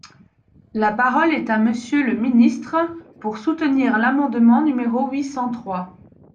La parole est à Monsieur le ministre, pour soutenir l’amendement numéro huit cent trois.